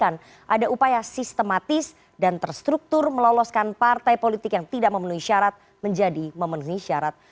ada upaya sistematis dan terstruktur meloloskan partai politik yang tidak memenuhi syarat menjadi memenuhi syarat